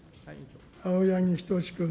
青柳仁士君。